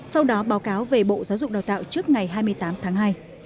sau đó báo cáo về bộ giáo dục đào tạo trước ngày hai mươi tám tháng hai